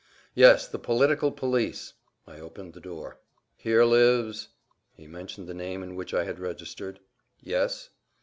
"Yes; the political police." I opened the door. "Here lives ...? (he mentioned the name in which I had registered). "Yes."